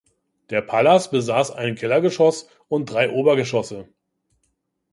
Der Palas besaß ein Kellergeschoss und drei Obergeschosse.